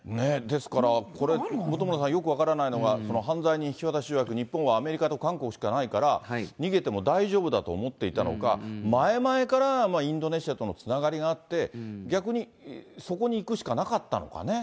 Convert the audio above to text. ですからこれ、本村さん、よく分からないのが犯罪人引き渡し条約、日本はアメリカと韓国しかないから、逃げても大丈夫だと思っていたのか、前々からインドネシアとのつながりがあって、逆にそこに行くしかなかったのかね。